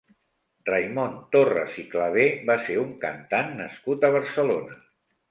Raimon Torres i Clavé va ser un cantant nascut a Barcelona.